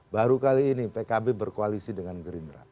baru kali ini pkb berkoalisi dengan gerindra